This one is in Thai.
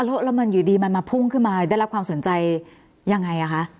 แล้วมันอยู่ดีมันมาพุ่งขึ้นมาได้รับความสนใจยังไงคะ